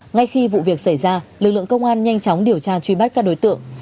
ngay khi vụ việc xảy ra lực lượng công an nhanh chóng điều tra truy bắt các đối tượng